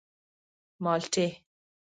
_مالټې.